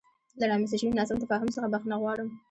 له رامنځته شوې ناسم تفاهم څخه بخښنه غواړم.